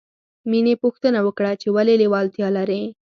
مینې پوښتنه وکړه چې ولې لېوالتیا لرې